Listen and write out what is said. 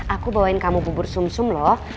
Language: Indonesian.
aku bawain kamu bubur sum sum loh